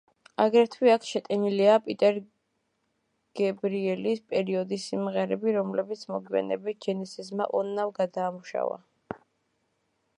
აგრეთვე, აქ შეტანილია პიტერ გებრიელის პერიოდის სიმღერები, რომლებიც მოგვიანებით ჯენესისმა ოდნავ გადაამუშავა.